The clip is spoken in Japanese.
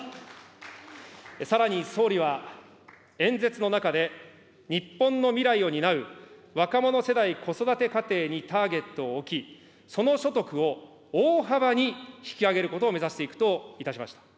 さらに総理は演説の中で、日本の未来を担う若者世代・子育て家庭にターゲットを置き、その所得を大幅に引き上げることを目指していくといたしました。